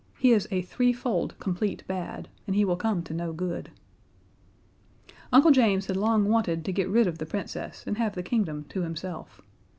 He is a Threefold Complete Bad and he will come to no good. Uncle James had long wanted to get rid of the Princess and have the kingdom to himself.